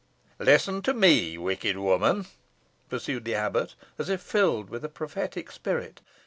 "Listen to me, wicked woman," pursued the abbot, as if filled with a prophetic spirit.